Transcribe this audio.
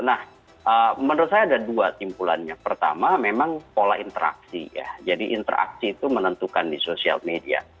nah menurut saya ada dua simpulannya pertama memang pola interaksi ya jadi interaksi itu menentukan di sosial media